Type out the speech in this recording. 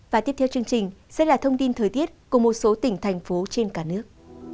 và tiếp theo chương trình sẽ là thông tin thời tiết của một số tỉnh thành phố trên cả nước